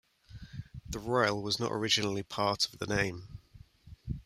The "Royal" was not originally part of the name.